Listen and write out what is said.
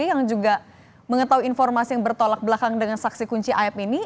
yang juga mengetahui informasi yang bertolak belakang dengan saksi kunci ayap ini